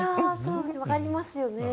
わかりますよね。